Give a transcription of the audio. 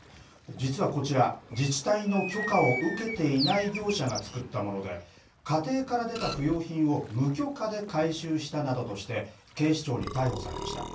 実はこちら自治体の許可を受けていない業者が作ったもので家庭から出た不用品を無許可で回収したなどとして警視庁に逮捕されました。